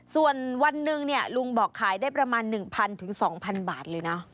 ส่วนวันหนึ่งลุงบอกขายได้ประมาณ๑๐๐๒๐๐บาทเลยนะ